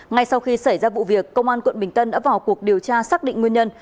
ngay sau khi xảy ra vụ việc công an quận bình tân đã vào cuộc điều tra xác định nguyên nhân